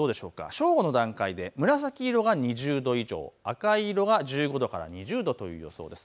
正午の段階で紫色が２０度以上、赤色が１５度から２０度という予想です。